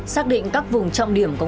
xác định các vùng trọng điểm công an